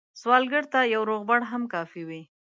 سوالګر ته یو روغبړ هم کافي وي